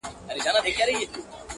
o وځان ته بله زنده گي پيدا كړه.